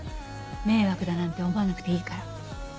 迷惑だなんて思わなくていいから。